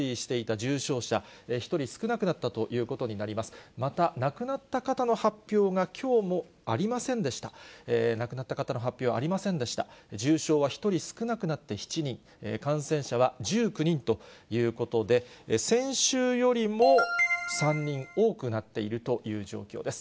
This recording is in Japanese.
重症は１人少なくなって７人、感染者は１９人ということで、先週よりも３人多くなっているという状況です。